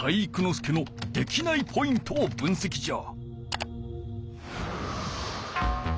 介のできないポイントを分せきじゃ。